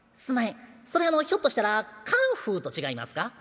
それひょっとしたらカンフーと違いますか？」。